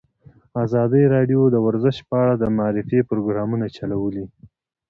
ازادي راډیو د ورزش په اړه د معارفې پروګرامونه چلولي.